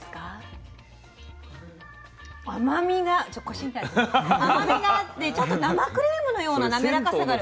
甘みがあってちょっと生クリームのような滑らかさがある。